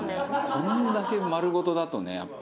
「こんだけ丸ごとだとねやっぱ」